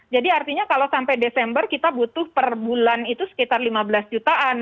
jadi artinya kalau sampai desember kita butuh per bulan itu sekitar lima belas jutaan